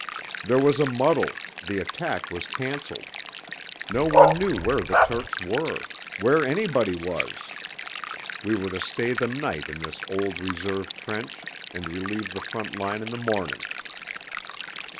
There was a muddle; the attack was cancelled ... no one knew where the Turks were, where anybody was ... we were to stay the night in this old reserve trench and relieve the front line in the morning....